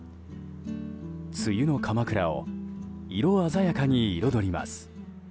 梅雨の鎌倉を色鮮やかに彩ります。